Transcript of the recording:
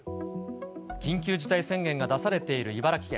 緊急事態宣言が出されている茨城県。